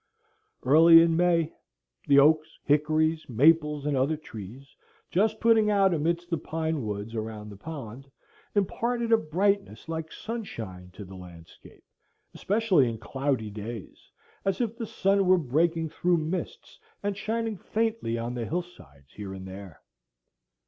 Early in May, the oaks, hickories, maples, and other trees, just putting out amidst the pine woods around the pond, imparted a brightness like sunshine to the landscape, especially in cloudy days, as if the sun were breaking through mists and shining faintly on the hill sides here and there.